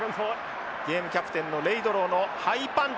ゲームキャプテンのレイドロウのハイパント。